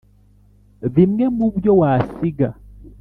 Bimwe mu byo wasiga